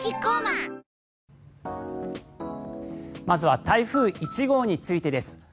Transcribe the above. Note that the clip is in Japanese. まずは台風１号についてです。